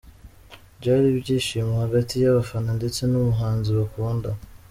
Byari ibyishimo hagati y'abafana ndetse n'umuhanzi bakunda.